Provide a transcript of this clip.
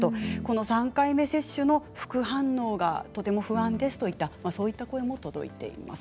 ３回目接種の副反応がとても不安ですという声も届いています。